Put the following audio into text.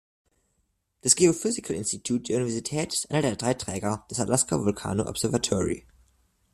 Das Geophysical Institute der Universität ist einer der drei Träger des Alaska Volcano Observatory.